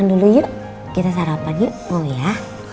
dulu yuk kita sarapan yuk ya